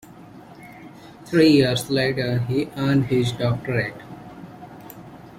Three years later he earned his doctorate.